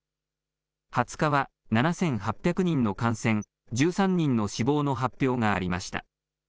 ２０日は７８００人の感染、１３人の死亡の発表がありました。